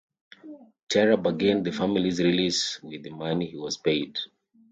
Terror bargained the family's release with the money he was paid.